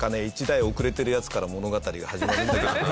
１台遅れてるやつから物語が始まるんだけどね